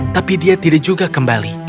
tapi dia tidak juga kembali